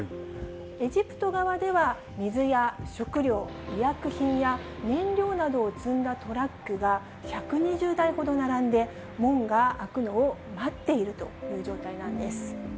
エジプト側では水や食料、医薬品や燃料などを積んだトラックが１２０台ほど並んで門が開くのを待っているという状態なんです。